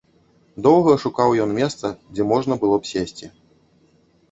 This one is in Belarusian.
Доўга шукаў ён месца, дзе можна было б сесці.